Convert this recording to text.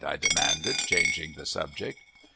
I demanded, changing the subject.